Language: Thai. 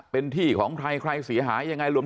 เป็นที่ของใครสีหายยังไง